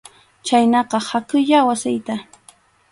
Chhaynaqa hakuyá wasiyta.